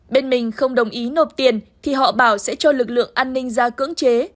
bên mình không đồng ý nộp tiền thì họ bảo sẽ cho lực lượng an ninh ra cưỡng chế